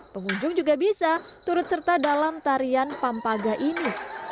pengunjung juga bisa turut serta dalam tarian pampaga ini